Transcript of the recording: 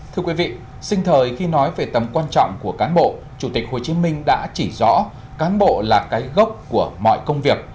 thưa quý vị sinh thời khi nói về tầm quan trọng của cán bộ chủ tịch hồ chí minh đã chỉ rõ cán bộ là cái gốc của mọi công việc